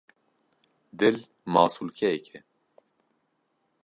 Dil masûlkeyek e.